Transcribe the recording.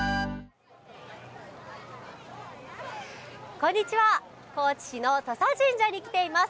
こんにちは、高知市の土佐神社に来ています。